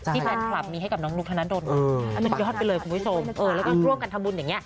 แฟนคลับมีให้กับน้องนุ๊กธนดลมาให้มันยอดไปเลยคุณผู้ชมแล้วก็ร่วมกันทำบุญอย่างนี้